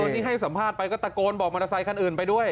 ที่ให้สัมภาษณ์ไปก็ตะโกนบอกมอเตอร์ไซคันอื่นไปด้วย